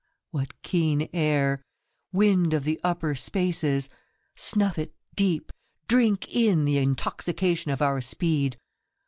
Ha, what keen air. Wind of the upper spaces. Snuff it deep, drink in the intoxication of our speed.